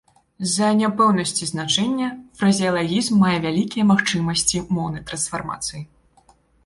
З-за няпэўнасці значэння, фразеалагізм мае вялікія магчымасці моўнай трансфармацыі.